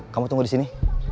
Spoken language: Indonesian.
kamu tunggu disini